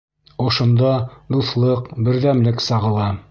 Ошонда дуҫлыҡ, берҙәмлек сағыла.